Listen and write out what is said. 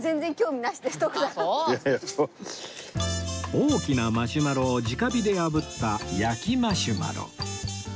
大きなマシュマロを直火であぶった焼きマシュマロ